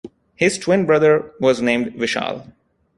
His twin brother was named Vishal.